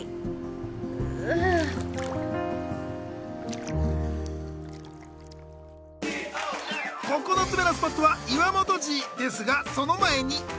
うう９つ目のスポットは岩本寺！ですがその前に・